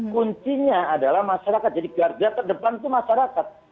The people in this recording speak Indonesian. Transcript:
kuncinya adalah masyarakat jadi gargantar depan itu masyarakat